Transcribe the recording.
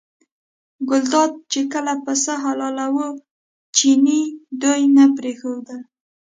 ګلداد چې کله پسه حلالاوه چیني دوی نه پرېښودل.